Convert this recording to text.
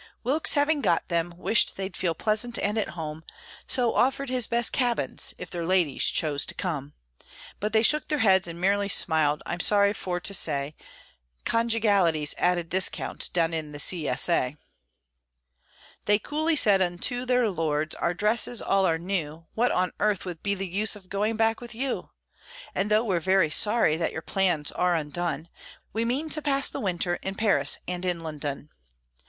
Wilkes, having got them, wished they'd feel pleasant and at home, So offered his best cabins, if their ladies chose to come; But they shook their heads and merely smiled, I'm sorry for to say, Conjugality's at a discount down in the C. S. A. They coolly said unto their lords, "Our dresses all are new; What on earth would be the use of going back with you? And though we're very sorry that your plans are undone, We mean to pass the winter in Paris and in London.